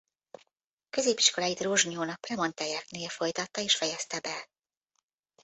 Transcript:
Középiskoláit Rozsnyón a premontreieknél folytatta és fejezte be.